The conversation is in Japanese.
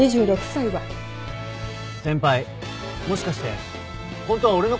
先輩もしかしてホントは俺のこと